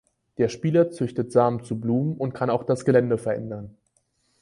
Der Spieler züchtet Samen zu Blumen und kann auch das Gelände verändern.